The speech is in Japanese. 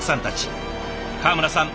川村さん